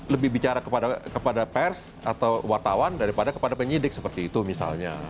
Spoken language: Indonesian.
lebih bicara kepada pers atau wartawan daripada kepada penyidik seperti itu misalnya